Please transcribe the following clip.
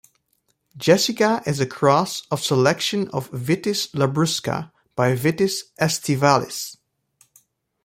Jessica is a cross of a selection of "Vitis labrusca" by "Vitis aestivalis".